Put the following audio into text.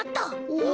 お！